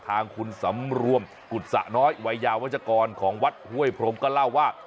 ทางคุณสำรวมกุศะน้อยวัยยาวัชกรของวัดห้วยพรมก็เล่าว่า